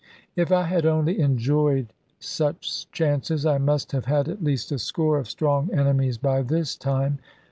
If I had only enjoyed such chances, I must have had at least a score of strong enemies by this time.